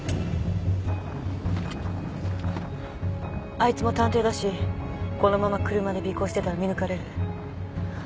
あいつも探偵だしこのまま車で尾行してたら見抜かれる。